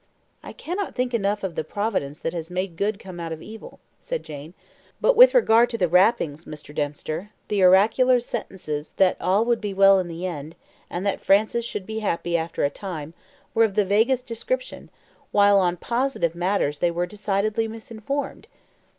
"I cannot think enough of the Providence that has made good come out of evil," said Jane. "But with regard to the rappings, Mr. Dempster, the oracular sentences that all would be well in the end, and that Francis should be happy after a time, were of the vaguest description, while on positive matters they were decidedly misinformed."